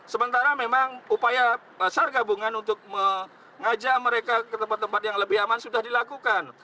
sementara memang upaya sar gabungan untuk mengajak mereka ke tempat tempat yang lebih aman sudah dilakukan